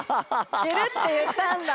ふけるっていったんだ。